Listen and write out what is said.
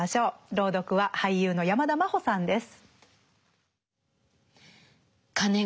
朗読は俳優の山田真歩さんです。